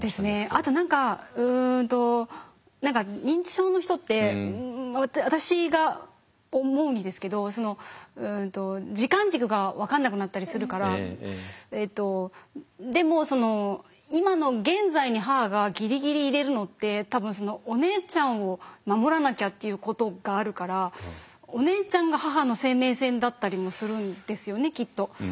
あと何か何か認知症の人って私が思うにですけど時間軸が分かんなくなったりするからえっとでも今の現在に母がギリギリいれるのって多分お姉ちゃんを守らなきゃっていうことがあるからお姉ちゃんが母の生命線だったりもするんですよねきっと。